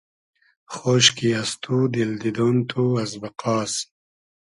خۉشکی از تو دیل دیدۉن تو از بئقاس